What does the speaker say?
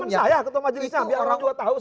teman saya ketua majelisnya biar orang juga tahu